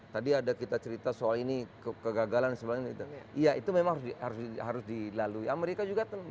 tadi ada kita cerita soal ini kegagalan itu memang harus dilalui amerika juga kan